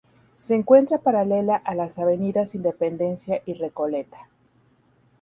Se encuentra paralela a las avenidas Independencia y Recoleta.